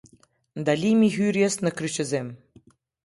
Ndalimi i hyrjes në kryqëzim.